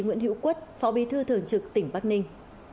nguyễn hữu quất phó bí thư thường trực tỉnh bắc ninh